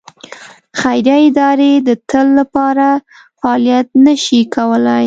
خیریه ادارې د تل لپاره فعالیت نه شي کولای.